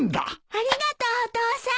ありがとうお父さん！